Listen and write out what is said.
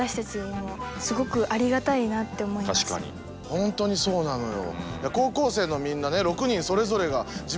本当にそうなのよ。